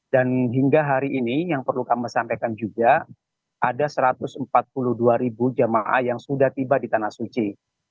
dan hingga hari ini yang perlu kami sampaikan juga ada satu ratus empat puluh dua jemaah yang sudah tiba di tanah suci